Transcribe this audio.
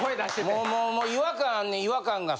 もう違和感あんねん違和感が。